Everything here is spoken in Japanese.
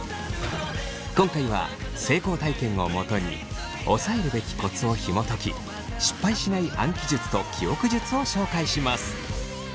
今回は成功体験をもとに押さえるべきコツをひもとき失敗しない暗記術と記憶術を紹介します。